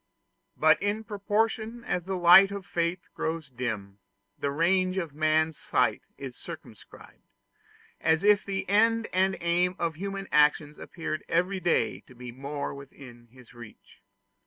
But in proportion as the light of faith grows dim, the range of man's sight is circumscribed, as if the end and aim of human actions appeared every day to be more within his reach.